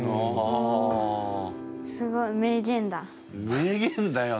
名言だよね。